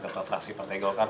ketua atrasi partai golkar